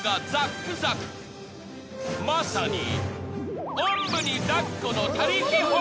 ［まさに］